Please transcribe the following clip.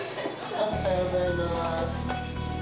おはようございます。